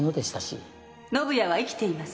宣也は生きています。